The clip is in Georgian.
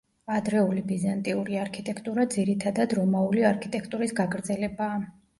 ადრეული ბიზანტიური არქიტექტურა ძირითადად რომაული არქიტექტურის გაგრძელებაა.